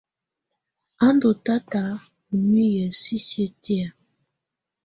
A ndɔ̀ tata ɔ̀ nuiyii sisiǝ́ tɛ̀á.